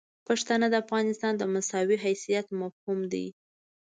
پښتانه د افغانستان د مساوي حیثیت مفهوم دي.